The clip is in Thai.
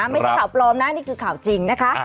ไม่ใช่ข่าวปลอมนะนี่คือข่าวจริงนะคะ